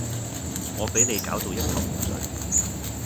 我比你攪到一頭霧水